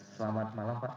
selamat malam pak